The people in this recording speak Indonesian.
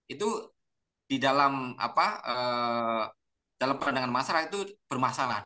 itu di dalam perandangan masyarakat itu bermasalah